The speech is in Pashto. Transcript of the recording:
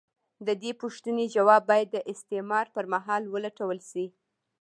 د دې پوښتنې ځواب باید د استعمار پر مهال ولټول شي.